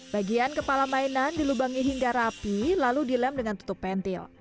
bagian kepala mainan dilubangi hingga rapi lalu dilem dengan tutup pentil